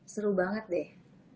seru banget deh